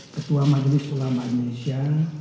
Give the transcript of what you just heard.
ketua majelis ulama indonesia